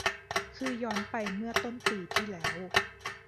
คือย้อนไปเมื่อต้นปีที่แล้ว